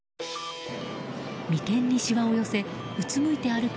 眉間にしわを寄せうつむいて歩く